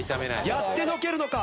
やってのけるのか？